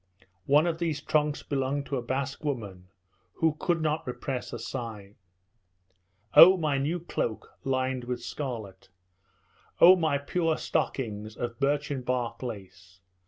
One of these trunks belonged to the Basque woman, who could not repress a sigh. "Oh, my new cloak lined with scarlet! Oh, my poor stockings of birchen bark lace!